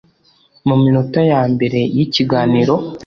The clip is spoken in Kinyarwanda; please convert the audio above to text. mu minota ya mbere y’ikiganiro